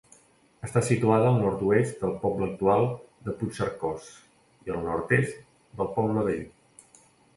Està situada al nord-oest del poble actual de Puigcercós i al nord-est del poble vell.